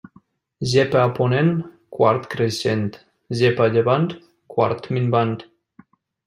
Gepa a ponent, quart creixent; gepa a llevant, quart minvant.